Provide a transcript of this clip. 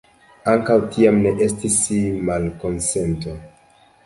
Ankaŭ tiam ne estis malkonsento.